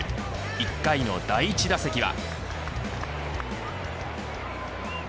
１回の第１打席は。